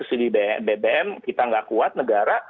pdbbn kita gak kuat negara